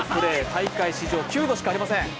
大会史上９度しかありません。